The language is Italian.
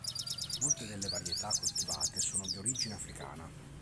Molte delle varietà coltivate sono di origine africana.